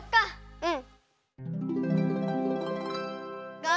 うん！